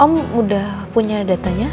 om udah punya datanya